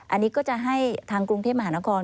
อันนี้ก็จะให้ทางกรุงเทพมหานคร